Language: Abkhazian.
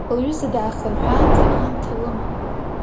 Лҩыза даахынҳәаанӡа, аамҭа лыман.